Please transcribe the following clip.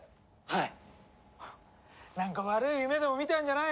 はい！？